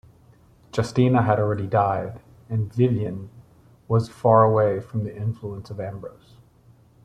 Justina had already died, and Vienne was far away from the influence of Ambrose.